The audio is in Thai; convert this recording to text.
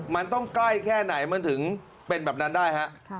มันต้องใกล้แค่ไหนมันถึงเป็นแบบนั้นได้ฮะ